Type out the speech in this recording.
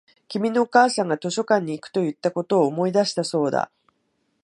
君のお母さんが図書館に行くと言ったことを思い出したそうだ